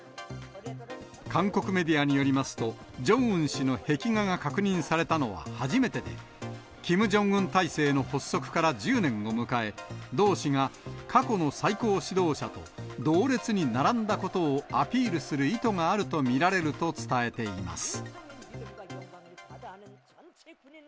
韓国メディアによりますと、ジョンウン氏の壁画が確認されたのは初めてで、キム・ジョンウン体制の発足から１０年を迎え、同氏が過去の最高指導者と同列に並んだことをアピールする意図があると見られると伝えています。